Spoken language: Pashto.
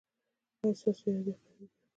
ایا ستاسو اراده قوي ده؟